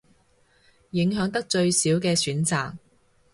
影響得最少嘅選擇